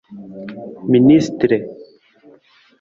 Ministre